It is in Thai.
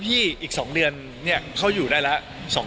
อีก๒เดือนเขาอยู่ได้แล้ว